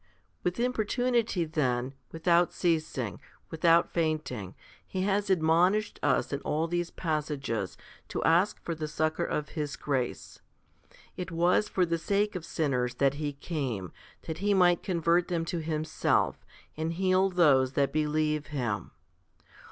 3 27. With importunity then, without ceasing, without faint ing, He has admonished us in all these passages to ask for the succour of His grace. It was for the sake of sinners that He came, that He might convert them to Himself, and heal those that believe Him.